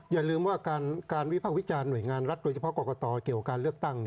อย่าลืมว่าการวิพากษ์วิจารณ์หน่วยงานรัฐโดยเฉพาะกรกตเกี่ยวกับการเลือกตั้ง